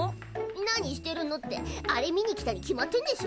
何してるのってあれ見に来たに決まってんでしょ。